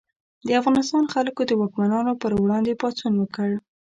د افغانستان خلکو د واکمنانو پر وړاندې پاڅون وکړ.